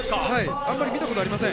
あまり見たことありません。